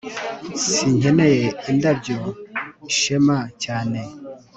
Sinkeneye indabyo ishema cyane